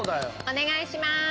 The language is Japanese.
お願いしまーす。